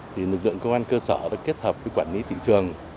thì lực lượng công an cơ sở đã kết hợp với quản lý thị trường